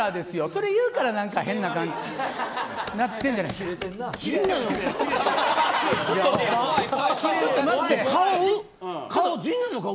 それ言うから変な感じになってるんじゃないですか。